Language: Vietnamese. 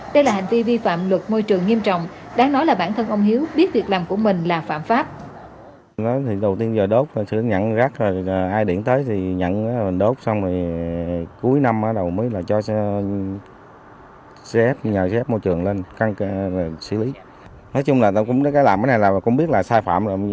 đây là hành vi vi phạm luật môi trường nghiêm trọng đáng nói là bản thân ông hiếu biết việc làm của mình là phạm pháp